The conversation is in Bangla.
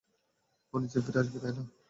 ও নিচে ফিরে আসবে, তাই না?